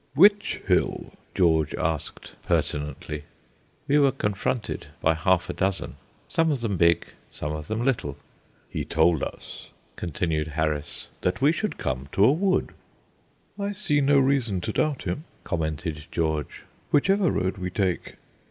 "Which hill?" George asked, pertinently. We were confronted by half a dozen, some of them big, some of them little. "He told us," continued Harris, "that we should come to a wood." "I see no reason to doubt him," commented George, "whichever road we take."